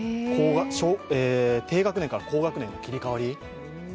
低学年から高学年の切り替わり。